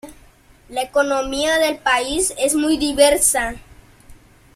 La economía del país es muy diversa.